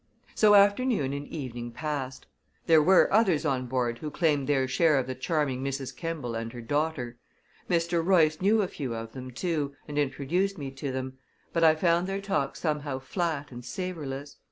So afternoon and evening passed. There were others on board who claimed their share of the charming Mrs. Kemball and her daughter. Mr. Royce knew a few of them, too, and introduced me to them, but I found their talk somehow flat and savorless.